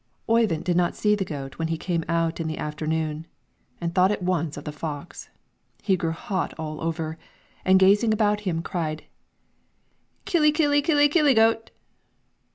Oyvind did not see the goat when he came out in the afternoon, and thought at once of the fox. He grew hot all over, and gazing about him, cried, "Killy killy killy killy goat!"